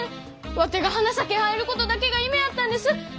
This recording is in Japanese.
ワテが花咲入ることだけが夢やったんです！